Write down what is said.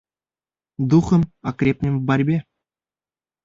Духом окрепнем в борьбе.